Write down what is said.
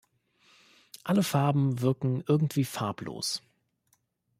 Alle Farben wirken irgendwie farblos.